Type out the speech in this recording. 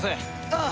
ああ！